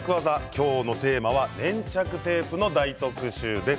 今日のテーマは粘着テープの大特集です。